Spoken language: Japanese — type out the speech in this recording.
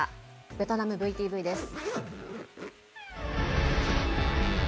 ベトナムＶＴＶです。